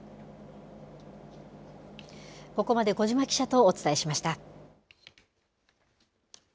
ここまで小嶋記者とお伝えしました。